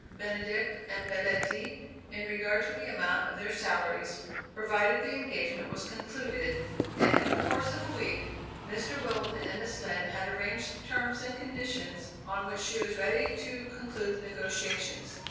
Benedict and Belletti, in regard to the amount of their salaries, provided the engagement was concluded, and in the course of a week, Mr. Wilton and Miss Lind had arranged the terms and conditions on which she was ready to conclude the negotiations.